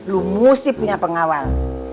lu mesti punya pengawal